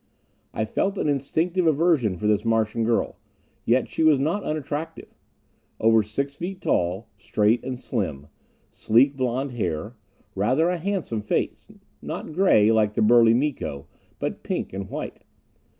I felt an instinctive aversion for this Martian girl. Yet she was not unattractive. Over six feet tall, straight and slim. Sleek blond hair. Rather a handsome face. Not gray, like the burly Miko, but pink and white.